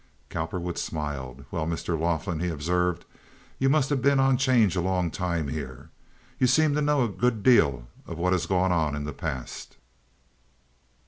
Cowperwood smiled. "Well, Mr. Laughlin," he observed, "you must have been on 'change a long time here. You seem to know a good deal of what has gone on in the past."